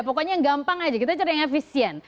pokoknya yang gampang aja kita cari yang efisien